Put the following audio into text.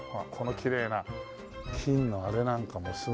金のあれなんかもすごいじゃない。